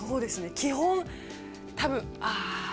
基本たぶん「あっ」